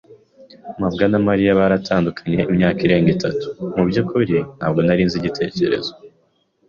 "mabwa na Mariya baratandukanye imyaka irenga itatu." "Mu byukuri? Ntabwo nari nzi igitekerezo."